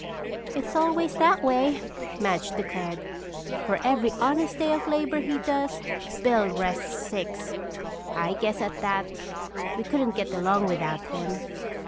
"It's always that way," Madge declared. "For every honest day of labor he does, Bill rests six! I guess at that we couldn't get along without him."